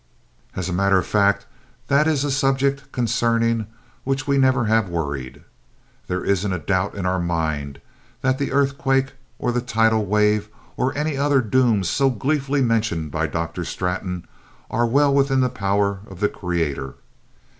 As a matter of fact, that is a subject concerning which we never have worried. There isn't a doubt in our mind that the earthquake, or the tidal wave or any of the other dooms so gleefully mentioned by Dr. Straton are well within the power of the Creator.